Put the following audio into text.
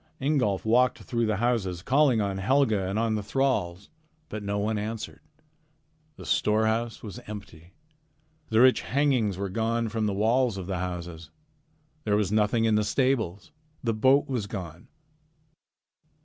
Ingolf walked through the houses calling on Helga and on the thralls, but no one answered. The storehouse was empty. The rich hangings were gone from the walls of the houses. There was nothing in the stables. The boat was gone.